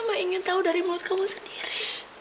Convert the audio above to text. mama ingin tahu dari mulut kamu sendiri